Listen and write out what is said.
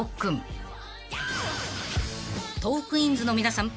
［トークィーンズの皆さん